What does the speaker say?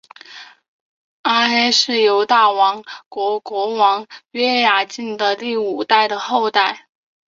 阿黑是犹大王国国王约雅敬的第五代的后代。